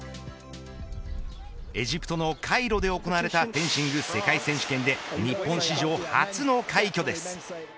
エジプトのカイロで行われたフェンシング世界選手権で日本史上初の快挙です。